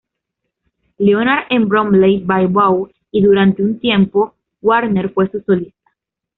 Leonard, en Bromley-by-Bow y, durante un tiempo, Warner fue su solista.